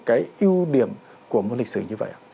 cái ưu điểm của môn lịch sử như vậy